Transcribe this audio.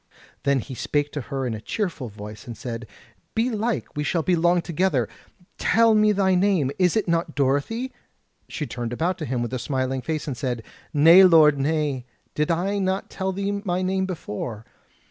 Then he spake to her in a cheerful voice and said: "Belike we shall be long together: tell me thy name; is it not Dorothy?" She turned about to him with a smiling face, and said: "Nay lord, nay: did I not tell thee my name before?